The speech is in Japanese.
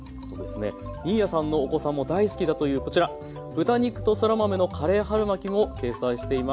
新谷さんのお子さんも大好きだというこちら豚肉とそら豆のカレー春巻も掲載しています。